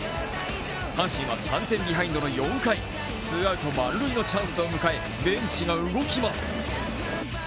阪神は３店ビハインドの４回、ツーアウト満塁のチャンスを迎えベンチが動きます。